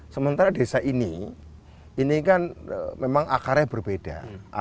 sementara desa ini ini kan memang akarnya berbeda